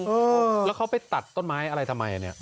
เออแล้วเขาไปตัดต้นไม้อะไรทำไมเนี่ย